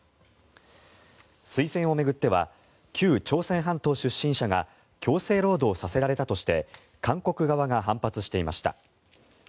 推薦を巡っては旧朝鮮半島出身者が強制労働させられたとして韓国側が反発していました。